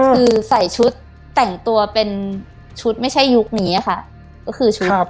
คือใส่ชุดแต่งตัวเป็นชุดไม่ใช่ยุคนี้ค่ะก็คือชุด